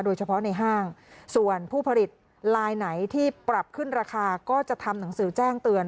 โดยเฉพาะในห้างส่วนผู้ผลิตลายไหนที่ปรับขึ้นราคาก็จะทำหนังสือแจ้งเตือน